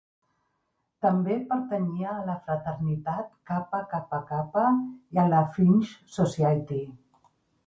També pertanyia a la fraternitat Kappa Kappa Kappa i a la Sphinx Society.